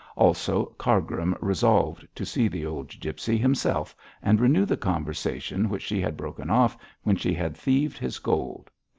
Also Cargrim resolved to see the old gipsy himself and renew the conversation which she had broken off when she had thieved his gold.